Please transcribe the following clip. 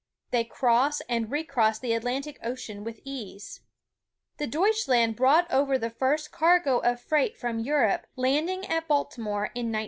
They cross and re cross the Atlantic Ocean with ease. The Deutschland brought over the first cargo of freight from Europe, landing at Baltimore in 1916.